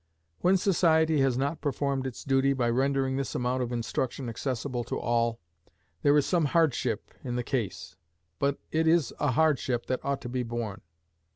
When society has not performed its duty by rendering this amount of instruction accessible to all, there is some hardship in the case, but it is a hardship that ought to be borne.